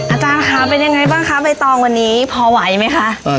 อาจารย์ค่ะเป็นยังไงบ้างคะใบตองวันนี้พอไหวไหมคะ